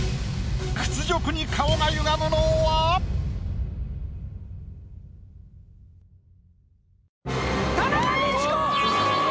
屈辱に顔がゆがむのは⁉田中道子！